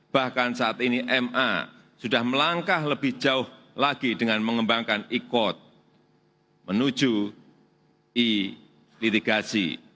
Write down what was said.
bahkan saat ini ma sudah melangkah lebih jauh lagi dengan mengembangkan e court menuju i litigasi